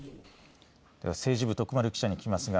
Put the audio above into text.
政治部、徳丸記者に聞きます。